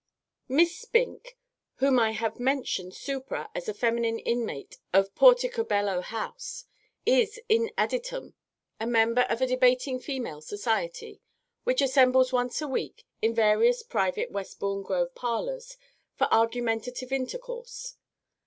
_ Miss SPINK (whom I have mentioned supra as a feminine inmate of Porticobello House) is in additum a member of a Debating Female Society, which assembles once a week in various private Westbourne Grove parlours, for argumentative intercourse.